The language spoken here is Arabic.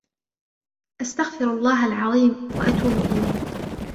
استغفر الله العظيم واتوب اليه